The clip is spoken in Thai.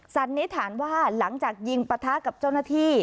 สันนิษฐานว่าหลังจากยิงปะทะกับเจ้าหน้าที่